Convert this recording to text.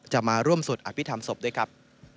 มาร่วมสวดอภิษฐรรมศพด้วยครับ